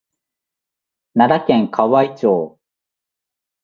奈良県河合町